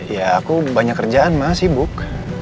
ya aku banyak kerjaan mah sibuk